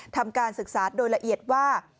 ทำการศึกษาโดยละเอียดว่า